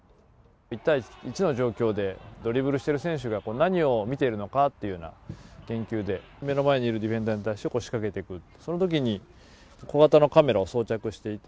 １対１の状況で、ドリブルしてる選手が何を見てるのかっていうような研究で、目の前にいるディフェンダーに対して仕掛けていく、そのときに小型のカメラを装着していて、